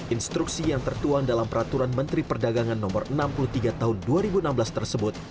instruksi yang tertuang dalam peraturan menteri perdagangan no enam puluh tiga tahun dua ribu enam belas tersebut